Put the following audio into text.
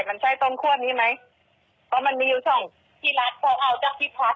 มันใช่ต้นคั่วนี้ไหมเพราะมันมีอยู่ช่องที่รัฐก็เอาจากที่พัก